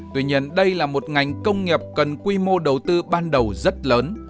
tuy nhiên đây là một ngành công nghiệp cần quy mô đầu tư ban đầu rất lớn